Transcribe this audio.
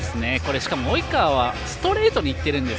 しかも及川はストレートにいってるんです。